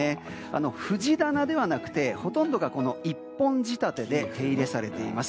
藤棚ではなくてほとんどが１本仕立てで手入れされています。